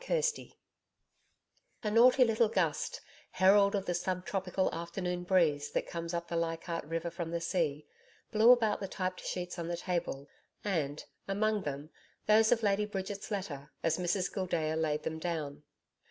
CHAPTER 4 A naughty little gust herald of the sub tropical afternoon breeze that comes up the Leichardt River from the sea, blew about the typed sheets on the table, and, among them, those of Lady Bridget's letter, as Mrs Gildea laid them down.